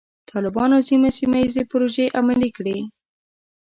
طالبانو ځینې سیمه ییزې پروژې عملي کړې.